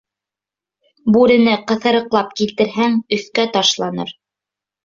Бүрене ҡыҫырыҡлап килтерһәң, өҫкә ташланыр.